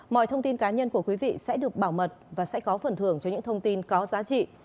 mọi thông tin cá nhân của quý vị sẽ được bảo mật và sẽ có phần thưởng cho những thông tin có giá trị